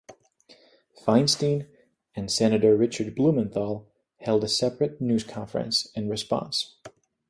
Feinstein and Senator Richard Blumenthal held a separate news conference in response.